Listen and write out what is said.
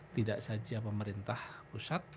tidak saja pemerintah pusat